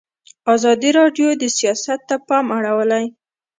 ازادي راډیو د سیاست ته پام اړولی.